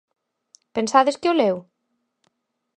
¿Pensades que o leu?